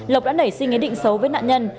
lộc đã nảy suy nghĩ định xấu với nạn nhân